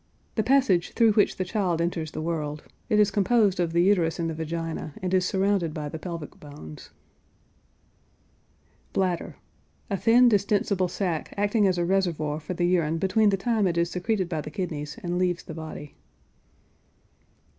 The passage through which the child enters the world. It is composed of the uterus and the vagina, and is surrounded by the pelvic bones. BLADDER. A thin, distensible sack acting as a reservoir for the urine between the time it is secreted by the kidneys and leaves the body.